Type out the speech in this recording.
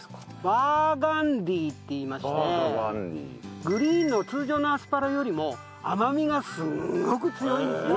バーガンディっていいましてグリーンの通常のアスパラよりも甘みがすんごく強いんですよ。